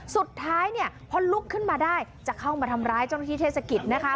สุดท้ายเนี่ยพอลุกขึ้นมาได้จะเข้ามาทำร้ายเจ้าหน้าที่เทศกิจนะคะ